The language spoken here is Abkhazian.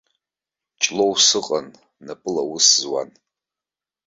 Ҷлоу сыҟан, напыла аус зуан.